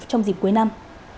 trong dịp cuối năm